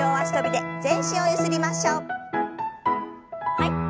はい。